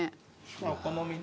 お好みで。